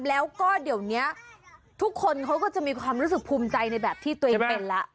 แล้วทุกคนเขาก็จะมีความรู้สึกภูมิใจในแบบที่ตัวเองเป็นแหละ